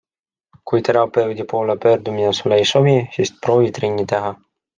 Kui terapeudi poole pöördumine sulle ei sobi, siis proovi trenni teha.